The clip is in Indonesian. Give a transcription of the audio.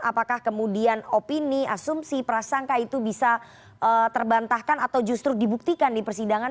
apakah kemudian opini asumsi prasangka itu bisa terbantahkan atau justru dibuktikan di persidangan